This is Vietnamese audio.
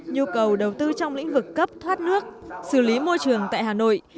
nhu cầu đầu tư trong lĩnh vực cấp thoát nước xử lý môi trường tại hà nội